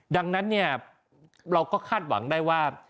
ดังนั้นเนี่ยเราก็คาดหวังได้ว่า